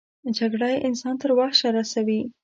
جګړه انسان تر وحشه رسوي